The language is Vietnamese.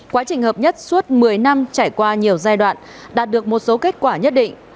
quá trình hợp nhất suốt một mươi năm trải qua nhiều giai đoạn đạt được một số kết quả nhất định